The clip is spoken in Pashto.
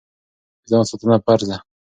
د ځان ساتنه فرض ده.